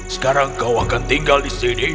sekarang kau akan tinggal di sini